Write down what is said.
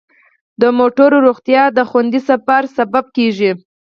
د موټرو روغتیا د خوندي سفر سبب کیږي.